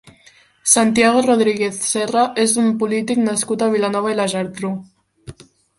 Santiago Rodríguez Serra és un polític nascut a Vilanova i la Geltrú.